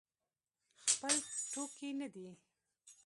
خپل ټوکي نه دی.